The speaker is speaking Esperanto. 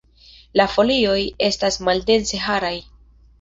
La folioj estas maldense haraj.